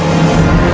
seperti tak bisa